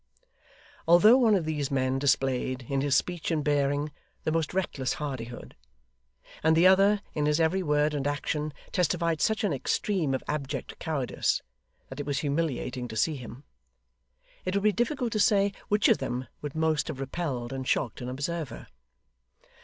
Although one of these men displayed, in his speech and bearing, the most reckless hardihood; and the other, in his every word and action, testified such an extreme of abject cowardice that it was humiliating to see him; it would be difficult to say which of them would most have repelled and shocked an observer.